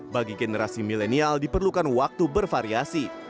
bagi generasi milenial diperlukan waktu bervariasi